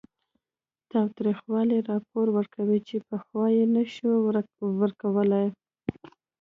تاوتریخوالي راپور ورکړي چې پخوا یې نه شو ورکولی